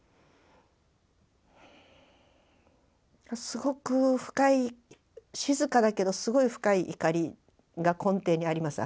すごく深い静かだけどすごい深い怒りが根底にあります